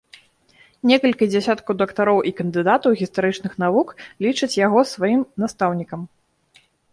Некалькі дзясяткаў дактароў і кандыдатаў гістарычных навук лічаць яго сваім настаўнікам.